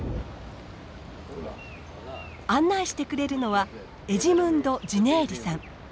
案内してくれるのはエジムンド・ジネーリさん。